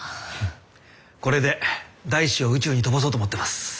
これで大志を宇宙に飛ばそうと思ってます。